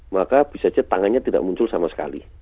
maka bisa saja tangannya tidak muncul sama sekali